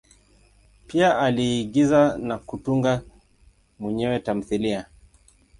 Pia aliigiza na kutunga mwenyewe tamthilia.